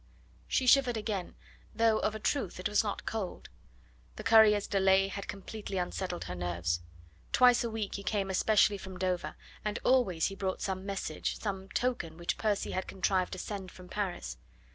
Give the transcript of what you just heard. She shivered again, though of a truth it was not cold. The courier's delay had completely unsettled her nerves. Twice a week he came especially from Dover, and always he brought some message, some token which Percy had contrived to send from Paris.